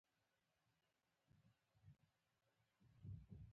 استاد د علم خدمتګار دی.